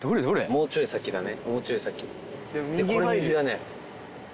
もうちょい先だね。